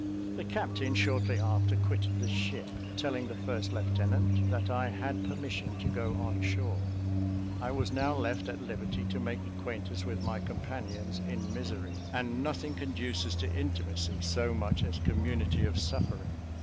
The captain shortly after quitted the ship, telling the first lieutenant that I had permission to go on shore. I was now left at liberty to make acquaintance with my companions in misery and nothing conduces to intimacy so much as community of suffering.